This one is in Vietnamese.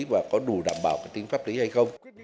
và có đủ đảm bảo cái tính pháp lý hay không